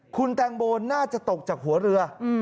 คุณแตงโมน่าจะตกจากหัวเรือ